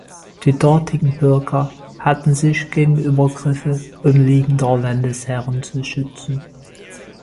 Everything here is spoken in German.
Die dortigen Bürger hatten sich gegen Übergriffe umliegender Landesherren zu schützen.